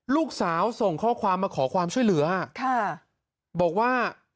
ลูกสาวส่งข้อความมาขอความช่วยเหลือค่ะบอกว่า